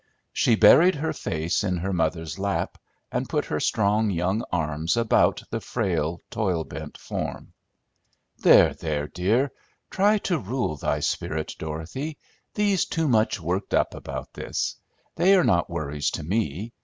She buried her face in her mother's lap and put her strong young arms about the frail, toil bent form. "There, there, dear. Try to rule thy spirit, Dorothy. Thee's too much worked up about this. They are not worries to me.